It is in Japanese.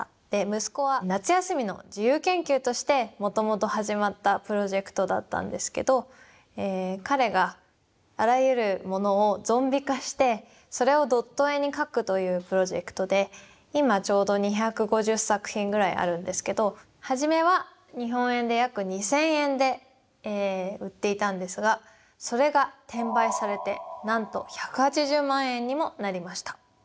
で息子は夏休みの自由研究としてもともと始まったプロジェクトだったんですけど彼があらゆるものをゾンビ化してそれをドット絵に描くというプロジェクトで今ちょうど２５０作品ぐらいあるんですけど初めは日本円で約２，０００円で売っていたんですがそれが転売されてなんと１８０万円にもなりました。